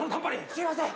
すいません！